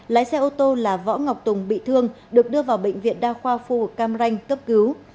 lái xe ô tô là võ ngọc tùng bị thương được đưa vào bệnh viện đa khoa phu cam ranh cấp cứu